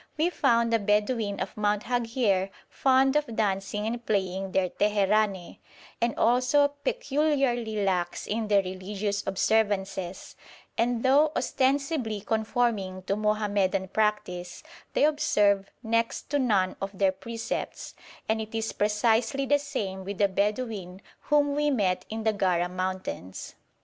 We found the Bedouin of Mount Haghier fond of dancing and playing their teherane, and also peculiarly lax in their religious observances; and though ostensibly conforming to Mohammedan practice, they observe next to none of their precepts; and it is precisely the same with the Bedouin whom we met in the Gara mountains.